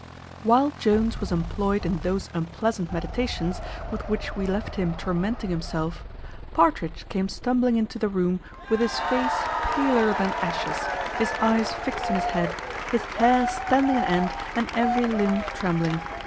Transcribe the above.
While Jones was employed in those unpleasant meditations, with which we left him tormenting himself, Partridge came stumbling into the room with his face paler than ashes, his eyes fixed in his head, his hair standing an end, and every limb trembling.